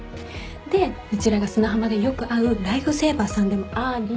でうちらが砂浜でよく会うライフセーバーさんでもあり。